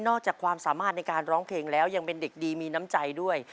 อกจากความสามารถในการร้องเพลงแล้วยังเป็นเด็กดีมีน้ำใจด้วย